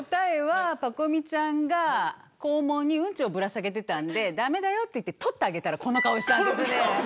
パコ美ちゃんが肛門にうんちをぶら下げてたんでダメだよって取ってあげたらこの顔したんです。